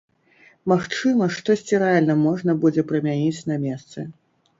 Магчыма, штосьці рэальна можна будзе прымяніць на месцы.